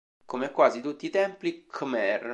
Come quasi tutti i templi Khmer.